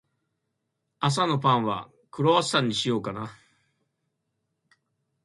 朝のパンは、クロワッサンにしようかな。